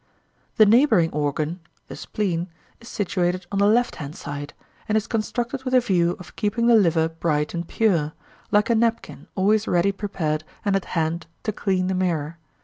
The neighbouring organ (the spleen) is situated on the left hand side, and is constructed with a view of keeping the liver bright and pure,—like a napkin, always ready prepared and at hand to clean the mirror.